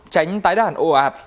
tránh tái đàn ồ ạt